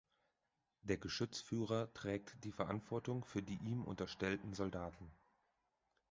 Der Geschützführer trägt die Verantwortung für die ihm unterstellten Soldaten.